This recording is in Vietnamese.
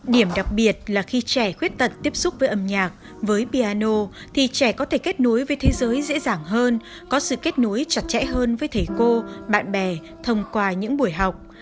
điểm đặc biệt là khi trẻ khuyết tật tiếp xúc với âm nhạc với piano thì trẻ có thể kết nối với thế giới dễ dàng hơn có sự kết nối chặt chẽ hơn với thầy cô bạn bè thông qua những buổi học